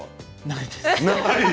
ないです。